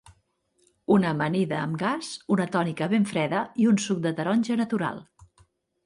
Una amanida amb gas, una tònica ben freda i un suc de taronja natural.